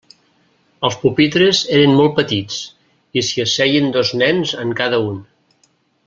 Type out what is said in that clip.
Els pupitres eren molt petits, i s'hi asseien dos nens en cada un.